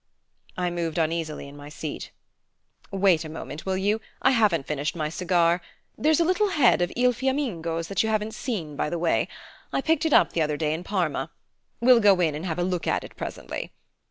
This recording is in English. I moved uneasily in my seat "Wait a moment, will you? I haven't finished my cigar. There's a little head of Il Fiammingo's that you haven't seen, by the way; I picked it up the other day in Parma. We'll go in and have a look at it presently.